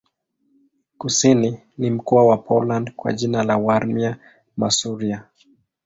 Kusini ni mkoa wa Poland kwa jina la Warmia-Masuria.